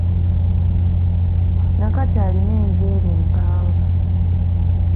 Nakato alina enviiri empanvu.